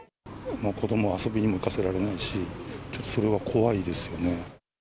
子どもを遊びにも行かせられないし、ちょっとそれは怖いですよね。